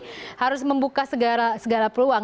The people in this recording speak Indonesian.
itu kan memonetisasi harus membuka segala peluang